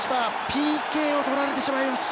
ＰＫをとられてしまいます。